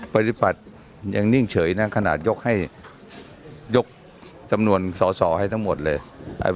ปฏิบัติยังนิ่งเฉยนะขนาดยกให้ยกจำนวนสอสอให้ทั้งหมดเลยนะครับ